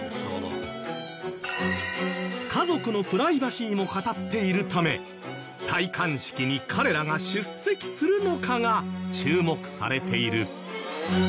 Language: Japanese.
家族のプライバシーも語っているため戴冠式に彼らが出席するのかが注目されている。